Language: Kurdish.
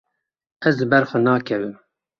Ez li ber xwe nakevim.